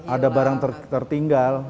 ada barang tertinggal